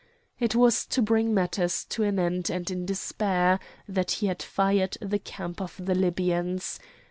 It was to bring matters to an end and in despair that he had fired the camp of the Libyans.